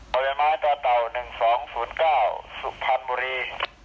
ใบไม้ต่อเต่า๑๒๐๙สุพรรณบุรี